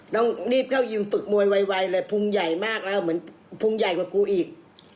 ต้องรีบเข้ายิมฝึกมวยไวเลยพุงใหญ่มากแล้วเหมือนพุงใหญ่กว่ากูอีก